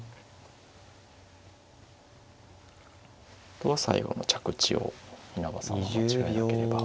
あとは最後の着地を稲葉さんは間違えなければ。